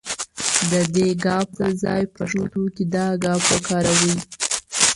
د دې ګ پر ځای پښتو کې دا گ وکاروئ.